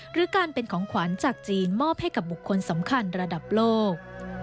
หรือการเป็นของขวัญจากจีนมอบให้กับบุคคลสำคัญระดับโลก